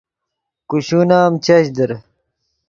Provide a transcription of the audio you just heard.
کوشون ام چش در